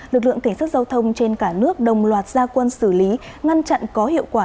lực lượng cảnh sát giao thông trên cả nước đồng loạt gia quân xử lý ngăn chặn có hiệu quả